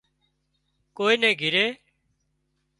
ڪوئي نِي گھري